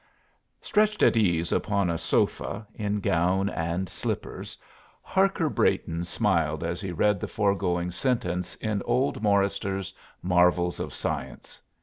Stretched at ease upon a sofa, in gown and slippers, Harker Brayton smiled as he read the foregoing sentence in old Morryster's _Marvells of Science.